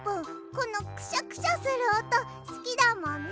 このクシャクシャするおとすきだもんね。